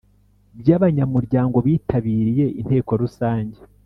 by abanyamuryango bitabiriye Inteko rusange